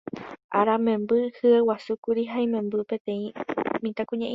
Aramemby hyeguasúkuri ha imemby peteĩ mitãkuña'i